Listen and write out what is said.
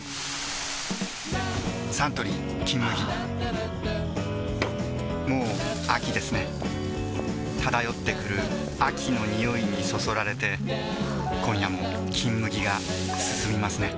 サントリー「金麦」もう秋ですね漂ってくる秋の匂いにそそられて今夜も「金麦」がすすみますね